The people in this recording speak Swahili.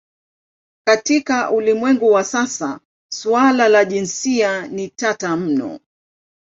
Katika ulimwengu wa sasa suala la jinsia ni tata mno.